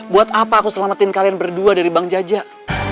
buat apa aku selamatin kalian berdua dari bank jajak